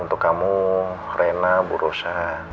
untuk kamu reina bu rosa